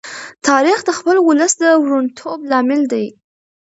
تاریخ د خپل ولس د وروڼتوب لامل دی.